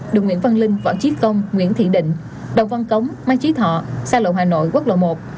đường nguyễn văn linh võ trí công nguyễn thị định đậu văn cống mai trí thọ xa lộ hà nội quốc lộ một